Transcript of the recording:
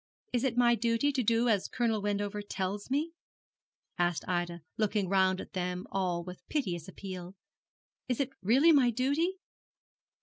'Is it my duty to do as Colonel Wendover tells me?' asked Ida, looking round at them all with piteous appeal. 'Is it really my duty?'